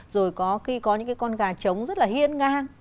rồi có những cái con gà trống rất là hiên ngang